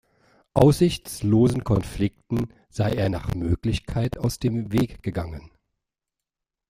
Aussichtslosen Konflikten sei er nach Möglichkeit aus dem Weg gegangen.